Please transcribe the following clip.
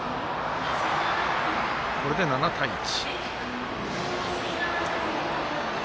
これで７対１。